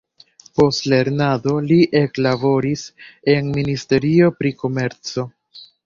Post lernado li eklaboris en ministerio pri komerco.